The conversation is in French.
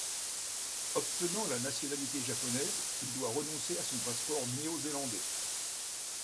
Obtenant la nationalité japonaise, il doit renoncer à son passeport néo-zélandais.